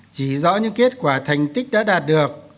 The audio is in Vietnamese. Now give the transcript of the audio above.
chỉ rõ những kết quả thành tích đã đạt được